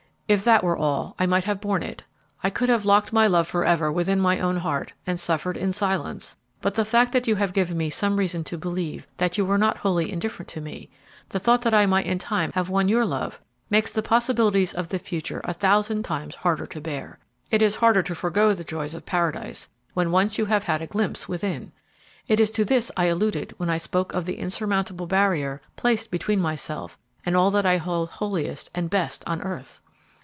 "If that were all, I might have borne it; I could have locked my love forever within my own heart, and suffered in silence; but the fact that you have given me some reason to believe that you were not wholly indifferent to me, the thought that I might in time have won your love, makes the possibilities of the future a thousand times harder to bear. It is harder to forego the joys of Paradise when once you have had a glimpse within! It was to this I alluded when I spoke of the insurmountable barrier placed between myself and all that I hold holiest and best on earth!"